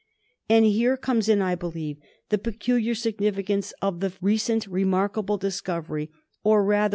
And here comes in, I believe, the peculiar signifi ;cance of the recent remarkable discovery, or rather